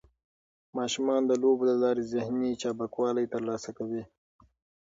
ماشومان د لوبو له لارې ذهني چابکوالی ترلاسه کوي.